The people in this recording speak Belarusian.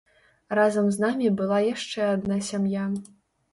Разам з намі была яшчэ адна сям'я.